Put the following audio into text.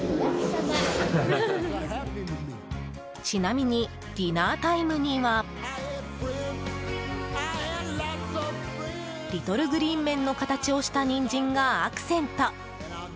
ちなみにディナータイムにはリトル・グリーン・メンの形をしたニンジンがアクセント！